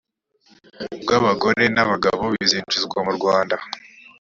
bw abagore n abagabo buzinjizwa murwanda